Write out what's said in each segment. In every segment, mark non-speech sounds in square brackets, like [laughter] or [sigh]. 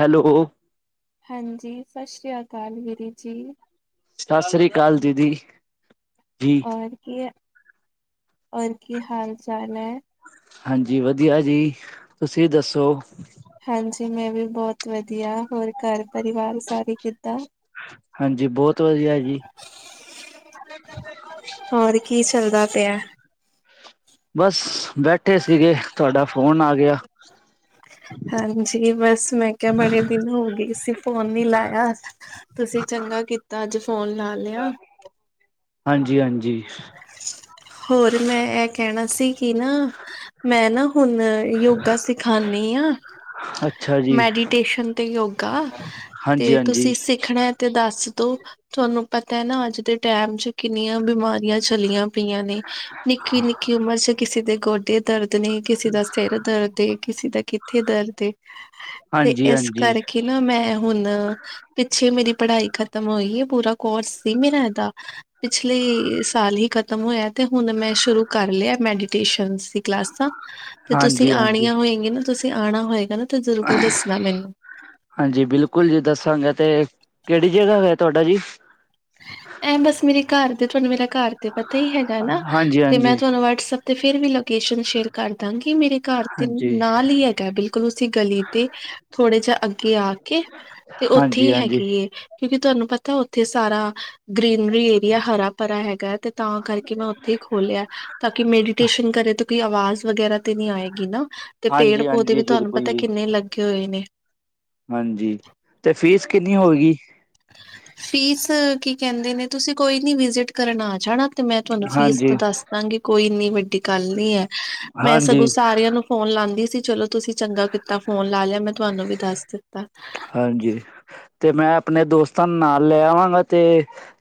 Hello ਹਾਂਜੀ ਸਤਿ ਸ਼੍ਰੀ ਅਕਾਲ ਵੀਰ ਜੀ। ਸਾਸਰੀ ਕਾਲ ਦੀਦੀ, ਜੀ। [unintelligible] ਕੀ ਔਰ ਕੀ ਹਾਲ-ਚਾਲ ਐ? ਹਾਂਜੀ ਵਧੀਆ ਜੀ, ਤੁਸੀਂ ਦੱਸੋ? ਹਾਂਜੀ ਮੈਂ ਵੀ ਬਹੁਤ ਵਧੀਆ ਹੋਰ ਘਰ ਪਰਿਵਾਰ ਸਾਰੇ ਕਿੱਦਾਂ? ਹਾਂਜੀ ਬਹੁਤ ਵਧੀਆ ਜੀ। ਹੋਰ ਕੀ ਚੱਲਦਾ ਪਿਆ? ਬਸ ਬੈਠੇ ਸੀਗੇ, ਤੁਹਾਡਾ ਫੋਨ ਆ ਗਿਆ। ਹਾਂਜੀ ਬਸ ਮੈਂ ਕਿਹਾ ਬੜੇ ਦਿਨ ਹੋ ਗਏ ਸੀ ਫੋਨ ਨੀ ਲਾਇਆ, ਤੁਸੀਂ ਚੰਗਾ ਕੀਤਾ ਅੱਜ ਫੋਨ ਲਾ ਲਿਆ। ਹਾਂਜੀ-ਹਾਂਜੀ ਹੋਰ ਮੈਂ ਇਹ ਕਹਿਣਾ ਸੀ ਕਿ ਨਾ, ਮੈਂ ਨਾ ਹੁਣ ਯੋਗਾ ਸਿਖਾਨੀ ਆ। ਅੱ ਮੈਡੀਟੇਸ਼ਨ ਤੇ ਯੋਗਾ, ਤੇ ਹਾਂਜੀ-ਹਾਂਜੀ, ਹਾਂਜੀ-ਹਾਂਜੀ। ਤੁਸੀਂ ਸਿੱਖਣਾ ਤੇ ਦੱਸ ਦੋ, ਤੁਹਾਨੂੰ ਪਤਾ ਹੈ ਨਾ ਅੱਜ ਦੇ ਟੈਮ 'ਚ ਕਿੰਨੀਆਂ ਬਿਮਾਰੀਆਂ ਚੱਲੀਆਂ। ਪਈਆ ਨੇ। ਨਿੱਕੀ-ਨਿੱਕੀ ਉਮਰ ਚ ਕਿਸੇ ਦੇ ਗੋਡੇ ਦਰਦ ਨੇ ਕਿਸੇ ਦਾ ਸਿਰ ਦਰਦ ਏ, ਕਿਸੇ ਦਾ ਕਿੱਥੇ ਦਰਦ ਏ। ਤੇ ਇਸ ਹਾਂਜੀ-ਹਾਂਜੀ, ਕਰਕੇ ਨਾ ਮੈਂ ਹੁਣ ਪਿੱਛੇ ਮੇਰੀ ਪੜ੍ਹਾਈ ਖਤਮ ਹੋਈ ਹੈ ਪੂਰਾ ਕੋਰਸ ਸੀ ਮੇਰਾ ਇਹਦਾ। ਪਿਛਲੇ ਸਾਲ ਹੀ ਖ਼ਤਮ ਹੋਇਆ ਤੇ ਹੁਣ ਮੈਂ ਸ਼ੁਰੂ ਕਰ ਲਿਆ ਮੈਡੀਟੇਸ਼ਨਸ ਕਲਾਸਾਂ, ਤੇ ਤੁਸੀਂ ਹਾਂਜੀ ਹਾਂਜੀ ਹਾਂਜੀ ਆਣੀਆਂ ਹੋਏਗੀਆਂ ਨਾ ਤੁਸੀਂ ਆਣਾ ਹੋਏਗਾ ਨਾ ਤੇ ਜ਼ਰੂਰ ਦੱਸਣਾ ਮੈਨੂੰ। ਹਾਂਜੀ ਬਿਲਕੁਲ ਜੀ ਦੱਸਾਂਗੇ ਤੇ, ਕਿਹੜੀ ਜਗ੍ਹਾ ਹੈ ਤੁਹਾਡਾ ਜੀ? ਐ ਬਸ ਮੇਰੇ ਘਰ ਦੇ ਤੁਹਾਨੂੰ ਮੇਰਾ ਘਰ ਤੇ ਪਤਾ ਹੀ ਹੈਗਾ ਨਾ ਤੇ ਹਾਂਜੀ-ਹਾਂਜੀ, ਮੈਂ ਤੁਹਾਨੂੰ ਵਟਸਐਪ ਤੇ ਫੇਰ ਵੀ ਲੋਕੇਸ਼ਨ ਸ਼ੇਅਰ ਕਰਦਾਂਗੀ ਮੇਰੇ ਘਰ ਤੇ ਹਾਂਜੀ, ਨਾਲ ਹੀ ਹੈਗਾ ਬਿਲਕੁਲ ਉਸੇ ਗਲੀ ਤੇ ਥੋੜ੍ਹੇ ਜਾ ਅੱਗੇ ਆ ਕੇ, ਤੇ ਉੱਥੇ ਹੀ ਹਾਂਜੀ-ਹਾਂਜੀ। ਹੈਗੀ ਏ। ਕਿਉਂਕਿ ਤੁਹਾਨੂੰ ਪਤਾ ਉੱਥੇ ਸਾਰਾ ਗਰੀਨਰੀ ਏਰੀਆ ਹਰਾ-ਭਰਾ ਹੈਗਾ ਤੇ ਤਾਂ ਕਰਕੇ ਮੈਂ ਉੱਥੇ ਹੀ ਖੋਲਿਆ। ਤਾਂ ਕਿ ਮੈਡੀਟੇਸ਼ਨ ਕਰੇ ਕੋਈ ਆਵਾਜ਼ ਵਗੈਰਾ ਤੇ ਨਹੀਂ ਆਏਗੀ ਨਾ, ਤੇ ਪੇੜ ਪੌਦੇ ਹਾਂਜੀ-ਹਾਂਜੀ ਵੀ ਤੁਹਾਨੂੰ ਬਿਲਕੁਲ ਪਤਾ ਜੀ, ਕਿੰਨੇ ਲੱਗੇ ਹੋਏ ਨੇ। ਹਾਂਜੀ, ਤੇ ਫੀਸ ਕਿੰਨੀ ਹੋਏਗੀ? ਫੀਸ ਕੀ ਕਹਿੰਦੇ ਨੇ ਤੁਸੀਂ ਕੋਈ ਨੀ ਵਿਜਿਟ ਕਰਨ ਆ ਜਾਣਾ ਤੇ ਮੈਂ ਤੁਹਾਨੂੰ ਫੀਸ ਹਾਂਜੀ, ਤਾਂ ਦੱਸ ਦਾਂਗੀ ਕੋਈ ਇੰਨੀ ਵੱਡੀ ਗੱਲ ਨੀ ਹੈ। ਮੈਂ ਸਗੋਂ ਹਾਂਜੀ, ਸਾਰਿਆਂ ਨੂੰ ਫੋਨ ਲਾਂਦੀ ਸੀ ਚਲੋ ਤੁਸੀਂ ਚੰਗਾ ਕੀਤਾ ਫੋਨ ਲਾ ਲਿਆ ਮੈਂ ਤੁਹਾਨੂੰ ਵੀ ਦੱਸ ਦਿੱਤਾ। ਹਾਂਜੀ ਤੇ ਮੈਂ ਆਪਣੇ ਦੋਸਤਾਂ ਨਾਲ ਲੈ ਆਵਾਂਗਾ ਅਤੇ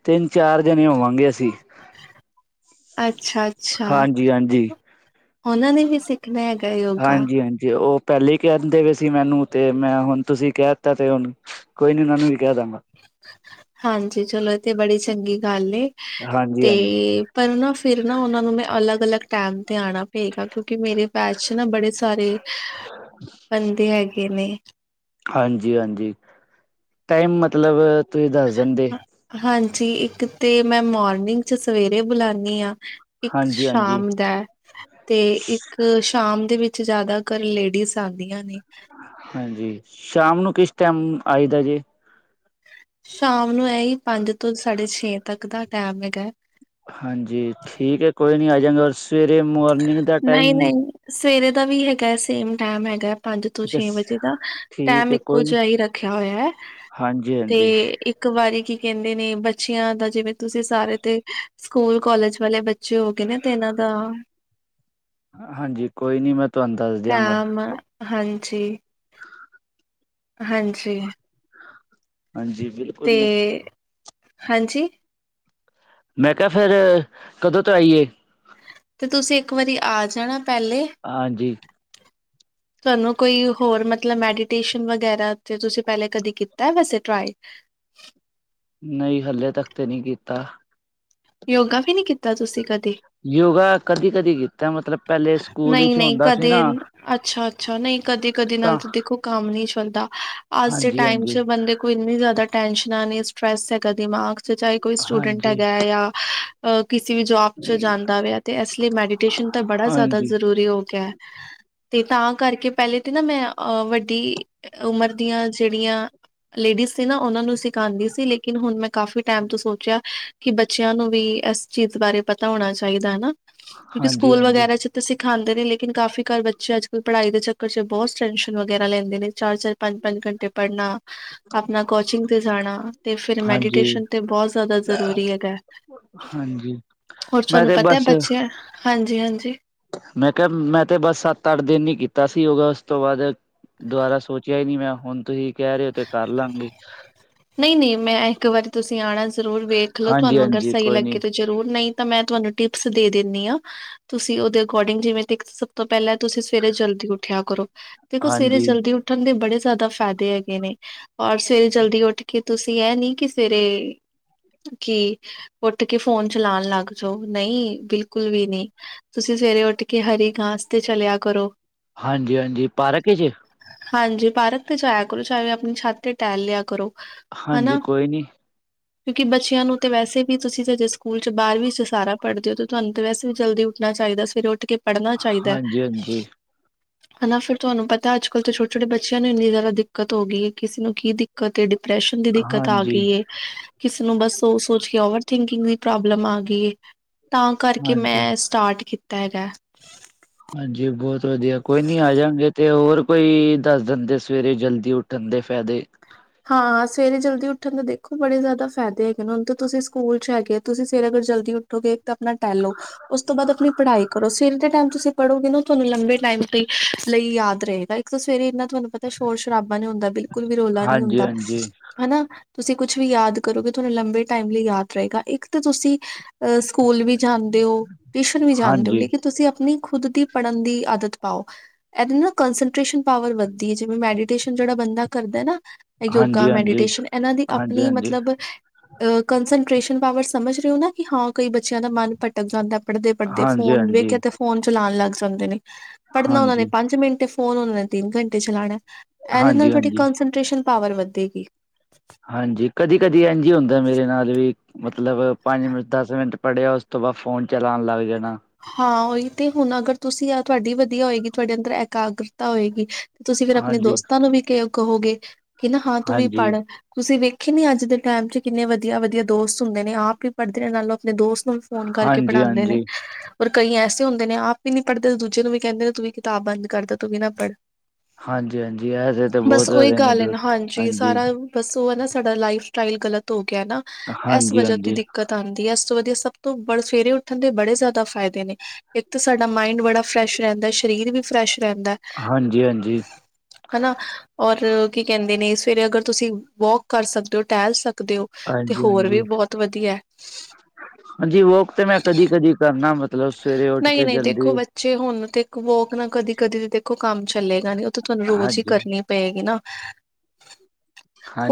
ਤਿੰਨ-ਚਾਰ ਜਣੇ ਹੋਵਾਂਗੇ ਅਸੀਂ। ਅੱਛਾ ਅੱਛਾ ਹਾਂਜੀ-ਹਾਂਜੀ ਉਹਨਾਂ ਨੇ ਵੀ ਸਿੱਖਣਾ ਹੈਗਾ? ਯੋਗਾ ਹਾਂਜੀ-ਹਾਂਜੀ ਉਹ ਪਹਿਲੇ ਹੀ ਕਹਿੰਦੇ ਪਏ ਸੀ ਮੈਨੂੰ ਤੇ ਮੈਂ ਹੁਣ ਤੁਸੀਂ ਕਹਿ ਦਿੱਤਾ ਤੇ ਹੁਣ, ਕੋਈ ਨੀ ਉਹਨਾਂ ਨੂੰ ਵੀ ਕਹਿ ਦਾਂਗਾ। ਹਾਂਜੀ ਚਲੋ ਇਹ ਤੇ ਬੜੀ ਚੰਗੀ ਗੱਲ ਏ ਹਾਂਜੀ ਤੇ ਹਾਂਜੀ ਪਰ ਨਾ ਫਿਰ ਨਾ ਉਹਨਾਂ ਨੂੰ ਮੈਂ ਅਲੱਗ-ਅਲੱਗ ਟਾਈਮ ਤੇ ਆਣਾ ਪਏਗਾ ਕਿਉਂਕਿ ਮੇਰੇ ਬੈਚ ਨਾ ਬੜੇ ਸਾਰੇ, ਬੰਦੇ ਹੈਗੇ ਨੇ। ਹਾਂਜੀ-ਹਾਂਜੀ, ਟਾਈਮ ਮਤਲਬ ਤੁਸੀਂ ਦੱਸ ਦਿੰਦੇ। ਹਾਂ- ਹਾਂਜੀ ਇੱਕ ਤੇ ਮੈਂ ਮੋਰਨਿੰਗ 'ਚ ਸਵੇਰੇ ਬੁਲਾਨੀ ਆ। ਇੱਕ ਹਾਂਜੀ ਹਾਂਜੀ ਸ਼ਾਮ ਦਾ, ਤੇ ਇੱਕ ਸ਼ਾਮ ਦੇ ਵਿੱਚ ਜ਼ਿਆਦਾਕਰ ਲੇਡੀਜ਼ ਆਂਦੀਆਂ ਨੇ। ਹਾਂਜੀ, ਸ਼ਾਮ ਨੂੰ ਕਿਸ ਟਾਈਮ ਆਈਦਾ ਜੇ? ਸ਼ਾਮ ਨੂੰ ਐਈ, ਪੰਜ ਤੋਂ ਸਾਢੇ-ਛੇ ਤੱਕ ਦਾ ਟਾਇਮ ਹੈਗਾ। ਹਾਂਜੀ ਠੀਕ ਐ, ਕੋਈ ਨੀ ਆਜਾਂਗਾ ਓਰ ਸਵੇਰੇ ਮੌਰਨਿੰਗ ਦਾ ਟਾਈਮ ਨਹੀਂ-ਨਹੀਂ ਸਵੇਰੇ ਦਾ ਵੀ ਹੈਗਾ, ਸੇਮ ਟੈਮ ਹੈਗਾ। ਪੰਜ ਤੋਂ ਅੱਛਾ ਛੇ ਵਜੇ ਦਾ, ਠੀਕ ਟਾਇਮ ਹੈ ਇੱਕੋ ਕੋਈ ਨੀ ਜਿਹਾ ਹੀ ਰੱਖਿਆ ਹੋਇਆ ਹੈ। ਹਾਂਜੀ ਤੇ ਹਾਂਜੀ ਇੱਕ ਵਾਰੀ ਕੀ ਕਹਿੰਦੇ ਨੇ ਬੱਚਿਆਂ ਦਾ, ਜਿਵੇਂ ਤੁਸੀਂ ਸਾਰੇ ਤੇ ਸਕੂਲ, ਕਾਲਜ ਵਾਲੇ ਬ ਚੇ ਹੋਗੇ ਨਾ, ਤਾ ਇਹਨਾਂ ਦਾ ਹਾਂਜੀ ਕੋਈ ਨੀ, ਮੈਂ ਤੁਹਾਨੂੰ ਦੱਸ ਦਿਆਂਗਾ ਟਾਇਮ, ਹਾਂਜੀ। ਹਾਂਜੀ। ਹਾਂਜੀ, ਬਿਲਕ ਤੇ, ਹਾਂਜੀ! ਮੈਂ ਕਿਹਾ ਫੇਰ, ਕਦੋਂ ਤੋਂ ਆਈਏ? ਤੇ ਤੁਸੀਂ ਇੱਕ ਵਾਰੀ ਆ ਜਾਣਾ, ਪਹਿਲੇ। ਹਾਂਜੀ। ਤੁਹਾਨੂੰ ਕੋਈ ਹੋਰ ਮਤਲਬ ਮੈਡੀਟੇਸ਼ਨ ਵਗੈਰਾ, ਤੇ ਤੁਸੀਂ ਪਹਿਲੇ ਕਦੇ ਕੀਤਾ ਵੈਸੇ ਟ੍ਰਾਏ ਨਹੀਂ, ਹਲੇ ਤੱਕ ਤੇ ਨਹੀਂ ਕੀਤਾ। ਯੋਗਾ ਵੀ ਨੀ ਕੀਤਾ ਤੁਸੀ ਕਦੀ? ਯੋਗਾ ਕਦੀ-ਕਦੀ ਕੀਤਾ, ਮਤਲਬ ਪਹਿਲੇ ਸਕੂਲ ਵਿੱਚ ਹੁੰਦਾ ਸੀ ਨਾ ਅੱਛਾ-ਅੱਛਾ, ਨਹੀਂ ਕਦੀ-ਕਦੀ ਨਾਲ ਤਾਂ ਤੇ ਦੇਖੋ ਕੰਮ ਨੀ ਚੱਲਦਾ, ਅੱਜ ਦੇ ਹਾਂਜੀ ਟਾਈਮ ਹਾਂਜੀ ਚ ਬੰਦੇ ਕੋਈ ਇੰਨੀ ਜ਼ਿਆਦਾ ਟੈਨਸ਼ਨਾ ਨੇ, ਸਟ੍ਰੈੱਸ ਹੈਗਾ ਦਿਮਾਗ ਚਾਹੇ ਕੋਈ ਸਟੂਡੇਂਟ ਹਾਂਜੀ ਹੈਗਾ ਯਾ, ਕਿਸੇ ਵੀ ਜੌਬ ਤੇ ਜਾਂਦਾ ਪਿਆ ਇਸ ਲਈ ਮੈਡੀਟੇਸ਼ਨ ਤਾ ਬੜਾ ਜਿਆਦਾ ਹਾਂਜੀ ਜ਼ਰੂਰੀ ਹੋਗਿਆ, ਤੇ ਤਾਂ ਕਰਕੇ ਪਹਿਲੇ ਤਾਂ ਨਾ ''ਮੈਂ ਅ, ਵੱਡੀ ਉਮਰ ਦੀਆਂ ਜਿਹੜੀਆਂ ਲੇਡੀਜ ਸੀ ਨਾ, ਉਹਨਾਂ ਨੂੰ ਸਿ ਖਾਂਦੀ ਸੀ, ਲੇਕੀਨ ਹੁਣ'ਮੈਂ ਕਾਫ਼ੀ ਟਾਇਮ ਤੋਂ ਸੋਚਿਆ, ਕਿ ਬੱਚਿਆਂ ਨੂੰ ਵੀ ਇਸ ਚੀਜ਼ ਬਾਰੇ ਪਤਾ ਹੋਣ ਚਾਹੀਦੀ ਨਾ। ਕਿਉਂਕਿ, ਹਾਂਜੀ ਸਕੂਲਾਂ ਹਾਂਜੀ ਵਗੈਰਾ'ਚ ਸਿਖਾਂਦੇ ਨੇ, ਲੇਕਿਨ ਕਾਫੀ ਕਾਰ ਬੱਚੇ ਅੱਜ-ਕੱਲ ਪੜ੍ਹਾਈ ਦੇ ਚੱਕਰ ਵਿੱਚ ਬਹੁਤ ਟੈਂਸ਼ਨ ਵਗੈਰਾ ਲੈਂਦੇ ਨੇ, ਚਾਰ-ਚਾਰ ਪੰਜ-ਪੰਜ ਘੰਟੇ ਪੜ੍ਹਨਾ। ਅਪਨਾ ਕੋਚਿੰਗ ਤੇ ਜਾਣਾ, ਤੇ ਫਿਰ ਹਾਂਜੀ ਮੈਡੀਟੇਸ਼ਨ ਤੇ ਬਹੁਤ ਜ਼ਿਆਦਾ ਜ਼ਰੂਰੀ ਹੈਗਾ। ਹਾਂਜੀ। ਮੈਂ, ਤੇ ਬਸ ਹਾਂਜੀ-ਹਾਂਜੀ। ਮੈਂ ਕਿਆ ''ਮੈਂ ਤੇ ਬਸ ਸੱਤ-ਅੱਠ ਦਿਨ ਹੀ ਕੀਤਾ ਸੀ, ਯੋਗਾ ਉਸ ਤੋਂ ਬਾਅਦ ਦੁਬਾਰਾ ਸੋਚਿਆ ਹੀ ਨਹੀਂ ਮੈਂ, ਹੁਣ ਤੁਹੀ ਕਹਿ ਰਹੇ ਹੋ, ਤੇ ਕਰਲਾਂਗੇ ਨਹੀਂ-ਨਹੀਂ ''ਮੈਂ ਇੱਕ ਵਾਰੀ ਤੁਸੀਂ ਆਣਾ ਜ਼ਰੂਰ ਵੇਖਲੋ ਹਾਂਜੀ ਤੁਹਾਨੂੰ ਅਗਰ ਹਾਂਜੀ ਸਹੀ ਕੋਈ ਨੀ ਲੱਗੇ ਤੇ ਜ਼ਰੂਰ, ਨਹੀਂ ਤਾਂ ਮੈਂ ਤੁਹਾਨੂੰ ਟਿਪਸ ਦੇ ਦੇਂਨੀ ਆਂ। ਤੁਸੀਂ ਉਹਦੇ ਅਕੋਰਡਿੰਗ, ਜਿਵੇਂ ਦੇਖ ਸਭ ਤੋਂ ਪਹਿਲਾਂ ਤੁਸੀਂ ਸਵੇਰੇ ਜਲਦੀ ਉੱਠਿਆ ਕਰੋ। ਦੇਖੋ ਸਵੇਰੇ ਹਾਂਜੀ ਜਲਦੀ ਉੱਠਣ ਦੇ ਬੜੇ ਜ਼ਿਆਦਾ ਫਾਇਦੇ ਹੈਗੇ ਨੇ, ਔਰ ਸਵੇਰੇ ਜਲਦੀ ਉੱਠਕੇ ਤੁਸੀਂ ਐ ਨੀ, ਕਿ ਸਵੇਰੇ ਕਿ ਉੱਠਕੇ ਫੋਨ ਚਲਾਣ ਲੱਗ ਜਾਓ, ਨਹੀਂ, ਬਿਲਕੁਲ ਵੀ ਨੀ ਤੁਸੀ ਸਵੇਰੇ ਉੱਠਕੇ ਹਰੀ ਘਾਂਸ ਤੇ ਚਲਿਆ ਕਰੋ। ਹਾਂਜੀ-ਹਾਂਜੀ, ਪਾਰਕ'ਚ? ਹਾਂਜੀ ਪਾਰਕ ਤੇ ਜਾਇਆ ਕਰੋ, ਚਾਹੇ ਆਪਣੀ ਛੱਤ ਤੇ ਟਹਿਲ ਲਿਆ ਕਰੋ। ਹਨਾ ਹਾਂਜੀ, ਕੋਈ ਨਹੀਂ ਕਿਉਂਕਿ ਬੱਚਿਆਂ ਨੂੰ ਤੇ ਵੈਸੇ ਵੀ, ਤੁਸੀਂ ਤੇ ਹਜੇ ਸਕੂਲ'ਚ ਬਾਰਵੀਂ'ਚ ਸਾਰਾ ਪੜ੍ਹਦੇ ਹੋ, ਤੇ ਤੁਹਾਨੂੰ ਤਾਂ ਵੈਸੇ ਵੀ ਜਲਦੀ ਉੱਠਣਾ ਚਾਹੀਦਾ। ਸਵੇਰੇ ਉੱਠਕੇ ਪੜਨਾ ਚਾਹੀਦਾ। ਹਾਂਜੀ ਹਾਂਜੀ ਹਨਾ, ਫਿਰ ਤੁਹਾਨੂੰ ਪਤਾ ਕਿ ਅੱਜ-ਕੱਲ ਛੋਟੇ-ਛੋਟੇ ਬੱਚਿਆਂ ਨੂੰ ਵੀ ਇੰਨੀ ਜ਼ਿਆਦਾ ਦਿੱ ਦਿੱਕਤ ਹੋ ਗਈ, ਕਿਸੇ ਨੂੰ ਕੀ ਦਿੱਕਤ ਏ, ਡਿਪਰੈਸ਼ਨ ਦੀ ਦਿੱਕਤ ਆ ਹਾਂਜੀ, ਗਈ ਏ। ਕਿਸੇ ਨੂੰ ਬਸ ਓ ਸੋਚਕੇ, ਓਵਰਥਿੰਕਿੰਗ ਦੀ ਪ੍ਰੌਬਲਮ ਆ ਗਈ ਏ। ਤਾਂ ਕਰਕੇ ਹਾਂਜੀ, ਮੈਂ ਸਟਾਟ ਕੀਤਾ ਹੈਗਾ। ਹਾਂਜੀ ਬਹੁਤ ਵਧੀਆ, ਕੋਈ ਨਹੀਂ ਆ ਜਾਂਗੇ, ਤੇ ਹੋਰ ਕੋਈ ਦੱਸ ਦਿੰਦੇ, ਸਵੇਰੇ ਜਲਦੀ ਉੱਠ ਧੰਦੇ ਫੈਦੇ ਹਾਂ, ਸਵੇਰੇ ਜਲਦੀ ਉੱਠਣ ਦੇ ਦੇਖੋ ਬੜੇ ਜ਼ਿਆਦਾ ਫ਼ੈਦੇ ਹੈਗੇ ਨੇ, ਹੁਣ ਤੁਸੀਂ ਸਕੂਲ ਚ ਹੈਗੇ ਹੋ, ਤੁਸੀਂ ਅਗਰ ਸਵੇਰੇ ਜਲਦੀ ਉੱ ਉੱਠੋਗੇ ਤਾਂ ਆਪਣਾ ਟਹਿਲੋ। ਉਸ ਤੋਂ ਬਾਅਦ ਆਪਣੀ ਪੜ੍ਹਾਈ ਕਰੋ, ਸਵੇਰ ਦੇ ਟੈਮ ਤੁਸੀਂ ਪੜ੍ਹੋਗੇ, ਉਹ ਤੁਹਾਨੂੰ ਲੰਬੇ ਟਾਈਮ ਲਈ ਯਾਦ ਰਹੇਗਾ। ਕਿਉਂਕਿ ਸਵੇਰੇ ਇੰਨਾ ਥੋਨੂੰ ਪਤਾ ਸ਼ੋਰ-ਸ਼ਰਾਬਾ ਨਈ ਹੁੰਦਾ, ਬਿਲਕੁਲ ਵੀ ਰੌਲਾ ਨਈ ਹੁੰਦਾ। ਹਾਂਜੀ, ਹਾਂਜੀ, ਹਨਾ ਤੁਸੀਂ ਕੁਛ ਵੀ ਯਾਦ ਕਰੋਗੇ, ਉਹ ਥੋਨੂੰ ਲੰਬੇ ਟੈਮ ਲਈ ਯਾਦ ਰਹੇਗਾ, ਇੱਕ ਤੇ ਤੁਸੀਂ ਸਕੂਲ ਵੀ ਜਾਂਦੇ ਹੋ, ਟਿਊਸ਼ਨ ਵੀ ਜਾਂਦੇ ਹੋ, ਹਾਂਜੀ, ਲੇਕਿਨ ਤੁਸੀਂ ਆਪਣੀ ਖੁਦ ਦੀ ਪੜ੍ਹਨ ਦੀ ਆਦਤ ਪਾਓ। ਇਹਦੇ ਨਾਲ ਕੰਸ਼ਨਟਰੇਸ਼ਨ ਪਾਵਰ ਵੱਧਦੀ ਐ, ਜਿਵੇਂ ਮੈਡੀਟੇਸ਼ਨ ਜਿਹੜਾ ਬੰਦਾ ਕਰਦਾ ਨਾ ਯੋਗਾ, ਹਾਂਜੀ, ਹਾਂਜੀ, ਮੈਡੀਟੇਸ਼ਨ, ਇਹਨਾਂ ਦੀ ਆਪਣੀ ਹਾਂਜੀ, ਹਾਂਜੀ। ਮਤਲਬ ਅ ਕਨਸਨਟ੍ਰੇਸ਼ਨ ਪਾਵਰ ਸਮਝ ਰਹੇ ਹੋ, ਕਿ ਨਾ ਕਈ ਬੱਚਿਆਂ ਦਾ ਮਨ ਭਟਕ ਜਾਂਦਾ, ਪੜ੍ਹਦੇ-ਪੜ੍ਹਦੇ ਹਾਂਜੀ, ਹਾਂਜੀ, ਫ਼ੋਨ ਵੇਖਿਆ ਤੇ ਫ਼ੋਨ ਚਲਾਣ ਲੱਗ ਜਾਂਦੇ ਨੇ। ਪੜ੍ਹਨਾ ਓਹਨਾਂ ਨੇ ਹਾਂਜੀ, ਹਾਂਜੀ, ਪੰਜ ਮਿੰਟ ਐ, ਫ਼ੋਨ ਓਹਨਾਂ ਨੇ ਤਿੰਨ ਘੰਟੇ ਚਲਾਣਾ, ਇਹਦੇ ਨਾਲ ਥੋਡੀ ਹਾਂਜੀ, ਕਨਸਨ ਟ੍ਰੇਸ਼ਨ ਪਾਵਰ ਵਧੇਗੀ। ਹਾਂਜੀ, ਕਦੀ-ਕਦੀ ਇੰਝ ਹੀ ਹੁੰਦਾ ਮੇਰੇ ਨਾਲ ਵੀ। ਮਤਲਬ, ਪੰਜ ਮਿੰਟ, ਦਸ ਮਿੰਟ ਪੜ੍ਹਿਆ, ਉਸ ਤੋਂ ਬਾਅਦ ਫ਼ੋਨ ਚਲਾਣ ਲੱਗ ਜਾਨਾ। ਹਾਂ, ਉਹੀ ਤੇ ਹੁਣ ਅਗਰ ਤੁਸੀਂ ਤੁਹਾਡੀ ਵਦੀਆ ਹੋਏਗੀ, ਤੁਆਡੇ ਅੰਦਰ ਇਕਾਗਰਤਾ ਹੋਏਗੀ। ਤੁਸੀਂ ਫੇਰ ਆਪਣੇ ਹਾਂਜੀ, ਦੋਸਤਾਂ ਨੂੰ ਵੀ ਕਹੋਗੇ, ਕਿ ਹਾਂ ਨਾ ਤੂੰ ਵੀ ਹਾਂਜੀ, ਪੜ੍ਹ। ਤੁਸੀਂ ਵੇਖਿਆ ਨੀ ਅੱਜ ਦੇ ਟੈਮ ਵਿੱਚ ਕਿੰਨੇ ਵਧੀਆ-ਵਧੀਆ ਦੋਸਤ ਹੁੰਦੇ ਨੇ, ਆਪ ਕਿਉਂ ਪੜ੍ਹਦੇ ਨੇ, ਨਾਲ ਉਹ ਆਪਣੇ ਦੋਸਤਾਂ ਨੂੰ ਫ਼ੋਨ ਕਰਕੇ ਹਾਂਜੀ, ਪੜ੍ਹਾਂਦੇ ਨੇ। ਹਾਂਜੀ, ਪਰ ਕਈ ਐਸੇ ਹੁੰਦੇ ਨੇ, ਆਪ ਵੀ ਨਹੀ ਪੜ੍ਹਦੇ ਤੇ ਦੂਜਿਆਂ ਨੂੰ ਵੀ ਕਹਿੰਦੇ ਨੇ ਤੂੰ ਵੀ ਕਿਤਾਬ ਬੰਦ ਕਰ ਦੇ, ਤੂੰ ਵੀ ਨਾ ਪੜ੍ਹ। ਹਾਂਜੀ, ਹਾਂਜੀ ਐਸੇ ਤਾਂ ਬਸ ਬਹੁਤ ਓਹੀ ਹੈਗੇ ਨੇ ਗੱਲ ਐ ਨਾ, ਦੋਸਤ ਹਾਂਜੀ ਸਾਰਾ ਬਸ ਉਹ ਐ ਨਾ ਸਾਡਾ ਲਾਈਫ ਸਟਾਈਲ ਗ਼ਲਤ ਹੋ ਗਿਆ ਨਾ, ਐਸ ਹਾਂਜੀ, ਹਾਂਜੀ, ਵਜ੍ਹਾ ਦੀ ਹਾਂਜੀ, ਦਿੱਕਤ ਆਂਦੀ ਐ, ਏਸ ਤੋਂ ਵਧੀਆ ਸਭ ਤੋਂ ਬੜ ਸਵੇਰੇ ਉੱਠਣ ਦੇ ਬੜੇ ਜ਼ਿਆਦਾ ਦਾ ਫਾਇਦੇ ਨੇ, ਇੱਕ ਤਾਂ ਸਾਡਾ ਮਾਇੰਡ ਬੜਾ ਫਰੈਸ਼ ਰਹਿੰਦਾ, ਸਰੀਰ ਵੀ ਫਰੈਸ਼ ਰਹਿੰਦਾ। ਹਾਂਜੀ, ਹਨਾ, ਔਰ ਕੀ ਕਹਿੰਦੇ ਨੇ ਸਵੇਰੇ ਅਗਰ ਤੁਸੀਂ ਵੋਕ ਕਰ ਸਕਦੇ ਹੋ, ਟਹਿਲ ਸਕਦੇ ਹੋ ਤੇ ਹਾਂਜੀ, ਹੋਰ ਹਾਂਜੀ। ਵੀ ਬਹੁਤ ਵਧੀਆ। ਹਾਂਜੀ ਵੋਕ ਤੇ ਮੈਂ ਕਦੀ ਕਰਨਾ ਮਤਲਬ ਸਵੇਰੇ ਉੱਠ ਕੇ ਨਈ-ਨਈ, ਜਲਦੀ ਦੇਖੋ ਬੱਚੇ ਹੁਣ ਤੇ ਵੌਕ ਨਾ ਕਦੀ-ਕਦੀ ਤੇ ਉਹ ਕੰਮ ਨਹੀਂ ਚੱਲੇਗਾ, ਉਹ ਤਾਂ ਤੁਹਾਨੂੰ ਰੋਜ਼ ਈ ਹਾਂਜੀ ਕਰਨੀ ਪਏਗੀ ਨਾ।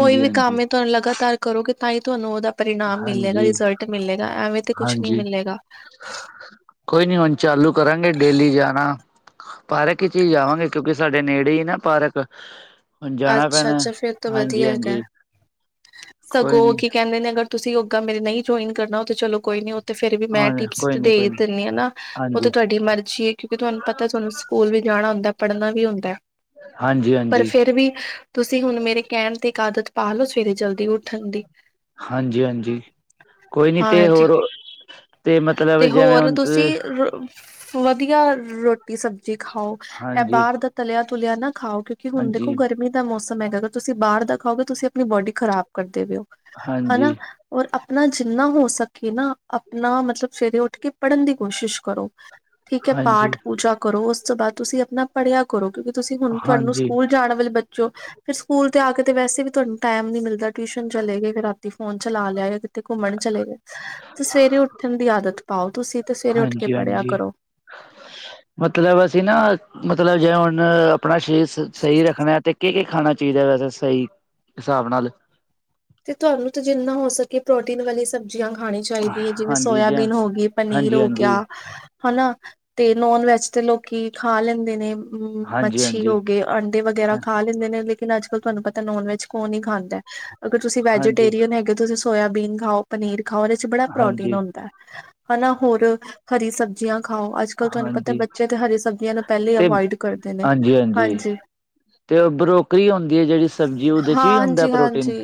ਕੋਈ ਵੀ ਹਾਂਜੀ ਕੰਮ ਏ ਤਾਂ ਉਹਨੂੰ ਲਗਾਤਾਰ ਕਰੋਗੇ, ਤਾਂਹੀ ਤੁਹਾਨੂੰ ਉਹਦਾ ਪਰਿਣਾਮ ਮਿਲੇਗਾ, ਹਾਂਜੀ ਰਿਜ਼ਲਟ ਮਿਲੇਗਾ, ਐਵੇਂ ਤੇ ਕੁਛ ਨੀ ਹਾਂਜੀ ਮਿਲੇਗਾ। ਕੋਈ ਨੀ ਹੁਣ ਚਾਲੂ ਕਰਾਂਗੇ, ਡੇਲੀ ਜਾਣਾ। ਪਾਰਕ ਵਿੱਚ ਹੀ ਆ ਜਾਵਾਂਗੇ, ਕਿਉਂਕਿ ਸਾਡੇ ਨੇੜੇ ਈ ਐ ਨਾ ਪਾਰਕ। ਹੁਣ ਜਾਣਾ ਪੈਣਾ ਅੱਛਾ-ਅੱਛਾ, ਫਿਰ ਤਾਂ ਵਧੀਆ ਹਾਂਜੀ ਹੈਗਾ, ਹਾਂਜੀ ਕੋਈ ਸਗੋਂ ਨੀ ਕੀ ਕਹਿੰਦੇ ਨੇ ਅਗਰ ਤੁਸੀਂ ਯੋਗਾ ਮੇਰੇ ਨਈ ਜੁਆਇਨ ਕਰਨਾ, ਉਹ ਤੇ ਚਲੋ ਕੋਈ ਨੀ। ਫਿਰ ਵੀ ਮੈਂ ਹਾਂ ਟਿਪਸ ਕੋਈ ਤੇ ਨੀ ਦੇ ਕੋਈ ਨੀ ਦਿੰਨੀ ਆਂ, ਉਹ ਹਾਂਜੀ ਤੇ ਤੁਹਾਡੀ ਮਰਜ਼ੀ ਏ ਕਿ ਤਹਾਨੂੰ ਪਤਾ ਚਲੋ ਸਕੂਲ ਵੀ ਜਾਣਾ ਹੁੰਦਾ, ਪੜ੍ਹਨਾ ਵੀ ਹੁੰਦਾ, ਹਾਂਜੀ ਪਰ ਹਾਂਜੀ ਫੇਰ ਵੀ ਤੁਸੀਂ ਹੁਣ ਮੇਰੇ ਕਹਿਣ ਤੇ ਇੱਕ ਆਦਤ ਪਾ ਲੋ, ਸਵੇਰੇ ਜਲ ਦੀ ਉੱਠਣ ਦੀ, ਹਾਂਜੀ ਹਾਂਜੀ ਕੋਈ ਨੀ ਤੇ ਹਾਂਜੀ। ਹੋਰ ਤੇ ਮਤਲਬ ਤੇ ਜਿਵੇਂ ਹੋਰ ਹੁਣ ਤੁਸੀਂ ਰ ਵਧੀਆ ਰੋ ਰੋਟੀ ਸਬਜ਼ੀ ਖਾਓ, ਇਹ ਹਾਂਜੀ ਬਾਹਰ ਦਾ ਤਲਿਆ ਤੁਲਿਆ ਨਾ ਖਾਓ, ਕਿਉਂਕਿ ਹੁਣ ਦੇਖੋ ਹਾਂਜੀ ਹਾਂਜੀ ਗਰਮੀ ਦਾ ਮੌਸਮ ਹੈਗਾ ਅ ਤੁਸੀਂ ਬਾਹਰ ਦਾ ਖਾਓਗੇ, ਤੁਸੀਂ ਆਪਣੀ ਬੋਡੀ ਖ਼ਰਾਬ ਕਰਦੇ ਪਏ ਓ ਹਾਂਜੀ ਹਨਾ। ਔਰ ਆਪਣਾ ਜਿੰਨਾ ਹੋ ਸਕੇ ਨਾ, ਆਪਣਾ ਮਤਲਬ ਸਵੇਰੇ ਉੱਠ ਕੇ ਪੜ੍ਹਨ ਦੀ ਕੋਸ਼ਿਸ਼ ਕਰੋ। ਠੀਕ ਐ ਹਾਂਜੀ ਪਾਠ ਪੂਜਾ ਕਰੋ, ਉਸ ਤੋਂ ਬਾਅਦ ਤੁਸੀਂ ਆਪਣਾ ਪੜ੍ਹਿਆ ਕਰੋ, ਕਿਉਂਕਿ ਤੁਸੀਂ ਹੁਣ ਤੁਹਾਨੂੰ ਸਕੂਲ ਜਾਣ ਵਾਲੇ ਬੱਚੋ ਫੇਰ ਸਕੂਲ ਤੇ ਆ ਕੇ ਤੇ ਵੈਸੇ ਵੀ ਤੁਹਾਨੂੰ ਟੈਮ ਨੀ ਮਿਲਦਾ, ਟਿਊਸ਼ਨ ਚਲੇ ਗਏ, ਫਿਰ ਰਾਤੀ ਫੋਨ ਚਲਾ ਲਿਆ। ਤੇ ਘੁੰਮਣ ਚਲੇ ਗਏ ਤੇ ਸਵੇਰੇ ਉੱਠਣ ਦੀ ਆਦਤ ਪਾਓ ਤੁਸੀਂ ਤੇ ਸਵੇਰੇ ਉੱਠ ਕੇ ਹਾਂਜੀ ਪੜ੍ਹਿਆ ਹਾਂਜੀ ਕਰੋ। ਮਤਲਬ ਅਸੀਂ ਨਾ ਮਤਲਬ ਜੇ ਹੁਣ ਆਪਣਾ ਸਰੀਰ ਸਹੀ ਰੱਖਣਾ ਤੇ ਕਿ ਕੀ ਖਾਣਾ ਚਾਹੀਦਾ ਵੈਸੇ ਸਹੀ ਹਿਸਾਬ ਨਾਲ। ਤੇ ਤੁਹਾਨੂੰ ਤਾਂ ਜਿੰਨਾ ਹੋ ਸਕੇ ਕਿ ਪ੍ਰੋਟੀਨ ਵਾਲੀ ਸਬਜ਼ੀਆਂ ਖਾਣੀ ਚਾਹੀਦੀ ਹੈ ਜਿਵੇਂ ਹਾਂਜੀ ਜ ਸੋਇਆਬੀਨ ਹੋ ਗਈ ਪਨੀਰ ਹਾਂਜੀ ਹਾਂਜੀ ਹੋ ਗਿਆ ਹਨਾ ਤੇ ਨੋਨ ਵੈਜ ਤੇ ਲੋਕੀ ਖਾ ਲੈਂਦੇ ਨੇ। ਹਮ, ਹਾਂਜੀ ਮੱਛੀ ਹਾਂਜੀ ਹੋ ਗਏ ਅੰਡੇ ਵਗੈਰਾ ਖਾ ਲੈਂਦੇ ਨੇ। ਲੇਕਿਨ ਅੱਜ ਕੱਲ ਲ ਤੁਹਾਨੂੰ ਪਤਾ ਨੋਨ ਵੈਜ ਕੌਨ ਹੀ ਖਾਂਦਾ ਹੈ, ਅਗਰ ਤੁਸੀਂ ਹਾਂਜੀ ਵੈਜੀਟੇਰੀਅਨ ਹੈਗੇ ਤੁਸੀਂ ਸੋਇਆਬੀਨ ਖਾਓ ਪਨੀਰ ਖਾਓ ਉਹਦੇ ਚ ਬੜਾ ਪ੍ਰੋਟੀਨ ਹਾਂਜੀ ਹਾਂਜੀ ਹੁੰਦਾ ਹੈ, ਹਨਾ ਹੋਰ ਹਰੀ ਸਬਜ਼ੀਆਂ ਖਾਓ, ਅੱਜ ਕੱਲ੍ਹ ਤੁਹਾਨੂੰ ਪਤਾ ਬੱਚੇ ਤੇ ਹਰੀ ਸਬਜ਼ੀਆਂ ਨੂੰ ਪਹਿਲੇ ਹੀ ਤੇ ਅਵੋਇਡ ਕਰਦੇ ਨੇ ਹਾਂਜੀ। ਤੇ ਉਹ ਬਰੋਕਰੀ ਹੁੰਦੀ ਹੈ ਜਿਹੜੀ ਸਬਜ਼ੀ ਉਹਦੇ ਚ ਵੀ ਹੁੰਦਾ ਹਾਂਜੀ ਪ੍ਰੋਟੀਨ ਹਾਂਜੀ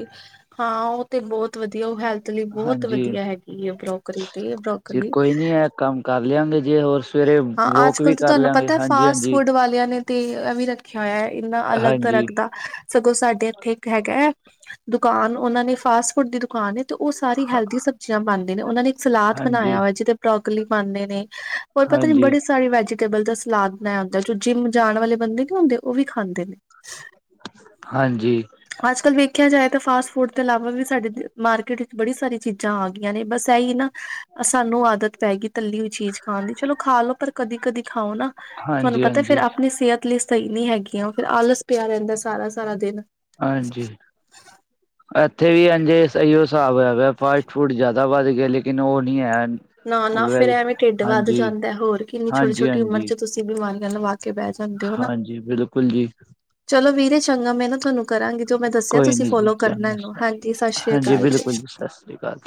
ਹਾਂ ਉਹ ਤੇ ਬਹੁਤ ਵਧੀਆ ਉਹ ਹੈਲਥ ਮਤ ਲਈ ਬਹੁਤ ਹਾਂਜੀ ਵਧੀਆ ਹੈਗੀ ਆ ਬਰੋਕਰੀ ਤੇ ਜੀ ਬਰੋਕਲੀ ਕੋਈ ਨੀ ਇਹ ਕੰਮ ਕਰ ਲਿਆਂਗੇ ਜੇ ਹੋਰ ਸਵੇਰੇ ਹਾਂ ਅੱਜ ਵੋਕ ਕੱਲ ਵੀ ਤਾਂ ਕਰ ਤੁਹਾਨੂੰ ਲਿਆਂਗੇ ਪਤਾ ਹਾਂਜੀ ਫਾਸਟ ਫੂਡ ਵਾਲਿਆਂ ਨੇ ਤੇ ਇਹ ਵੀ ਰੱਖਿਆ ਹੋਇਆ ਹੈ ਇੰਨਾ ਅਲੱਗ ਤਰਾ ਹਾਂਜੀ ਦਾ। ਸਗੋਂ ਸਾਡੇ ਇੱਥੇ ਇੱਕ ਹੈਗਾ ਹੈ, ਦੁਕਾਨ ਉਹਨਾਂ ਨੇ ਫਾਸਟ ਫੂਡ ਦੀ ਦੁਕਾਨ ਤੇ ਉਹ ਸਾਰੀ ਹੈਲਦੀ ਸਬਜ਼ੀਆਂ ਪਾਉਂਦੇ ਨੇ, ਉਹ ਨੇ ਇੱਕ ਸਲਾਦ ਹਾਂਜੀ ਬਣਾਇਆ ਵ ਜਿਹਦੇ ਬਰੋਕਲੀ ਪਾਉਦੇ ਨੇ। ਹੋਰ ਪਤਾ ਨੀ ਹਾਂਜੀ ਬੜੇ ਸਾਰੇ ਵੈਜੀਟੇਬਲ ਦਾ ਸਲਾਦ ਬਣਾਇਆ ਹੁੰਦਾ ਜੋ ਜਿੰਮ ਜਾਣ ਵਾਲੇ ਬੰਦੇ ਨੀ ਹੁੰਦੇ ਉਹ ਵੀ ਖਾਂਦੇ ਨੇ। ਹਾਂਜੀ। ਅੱਜ ਕੱਲ੍ਹ ਵੇਖਿਆ ਜਾਏ ਤਾਂ ਫਾਸਟ ਫੂਡ ਤੋਂ ਇਲਾਵਾ ਵੀ ਸਾਡੇ ਮਾਰਕੀਟ ਵਿੱਚ ਬੜੀ ਸਾਰੀ ਚੀਜ਼ਾਂ ਆ ਗਈਆਂ ਨੇ, ਬਸ ਇ ਹੀ ਨਾ ਸਾਨੂੰ ਆਦਤ ਪਏਗੀ ਤੱਲੀ ਹੋਈ ਚੀਜ਼ ਖਾਣ ਦੀ, ਚਲੋ ਖਾ ਲ ਲੋ ਪਰ ਕਦੀ ਖਾਓ ਨਾ ਤੁਹਾਨੂੰ ਪਤਾ ਫੇਰ ਹਾਂਜੀ ਹਾਂਜੀ ਆਪਣੀ ਸਿਹਤ ਲਈ ਸਹੀ ਨਹੀਂ ਹੈਗੀਆਂ ਫਿਰ ਆਲਸ ਪਿਆ ਰਹਿੰਦਾ ਸਾਰਾ ਸਾਰਾ ਦਿਨ ਹਾਂਜੀ। ਇੱਥੇ ਵੀ ਐਂਜ ਇਹੀ ਹਿਸਾਬ ਹੋਆ ਫਾਸਟ ਫੂਡ ਜਿਆਦਾ ਵੱਧ ਗਿਆ, ਲੇਕਿਨ ਉਹ ਨਹੀਂ ਹੈ। ਨਾ ਨਾ ਫੇਿਰ ਵੈਜ ਐਵੇਂ ਢਿੱਡ ਵੱਧ ਹਾਂਜੀ ਜਾਂਦਾ ਹੋਰ ਕਿੰਨੀ ਛੋਟੀ ਹਾਂਜੀ ਛੋਟੀ ਉਮਰ ਹਾਂਜੀ ਚ ਤੁਸੀਂ ਬਿਮਾਰੀਆਂ ਲਵਾਂ ਕੇ ਬਹਿ ਜਾਂਦੇ ਹੋ ਨਾ, ਹਾਂਜੀ ਬਿਲਕੁਲ ਜੀ ਚਲੋ ਵੀਰੇ ਚੰਗਾ ਮੈਂ ਨਾ ਤੁਹਾਨੂੰ ਕਰਾਂਗੀ ਜੋ ਮੈਂ ਦੱਸਿਆ ਕੋਈ ਤੁਸੀਂ ਨਹੀਂ ਜੀ ਫੋਲੋ ਕਰਨਾ ਇਹਨੂੰ, ਚੰਗਾ ਹਾਂਜੀ ਸਤਿ ਸ੍ਰੀ ਹਾਂਜੀ ਅਕਾਲ ਬਿਲਕੁਲ ਜੀ। ਸਤਿ ਸ਼੍ਰੀ ਅਕਾਲ